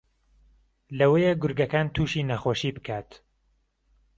لەوەیە گورگەکان تووشی نەخۆشی بکات